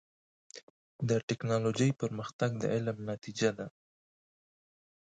د ټکنالوجۍ پرمختګ د علم نتیجه ده.